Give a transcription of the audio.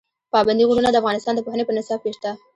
پابندي غرونه د افغانستان د پوهنې په نصاب کې شته.